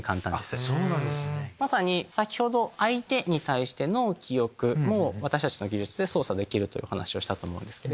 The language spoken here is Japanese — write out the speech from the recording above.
まさに先ほど相手に対しての記憶も私たちの技術で操作できるというお話をしたと思うんですけど。